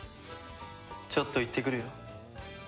ちょっと行ってくるよ。